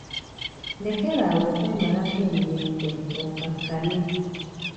Lekera awo okwemalako emirembe okkakkane.